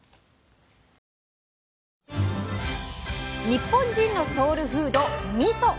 日本人のソウルフード「みそ」。